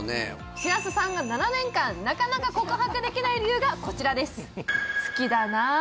しらすさんが７年間なかなか告白できない理由がこちらです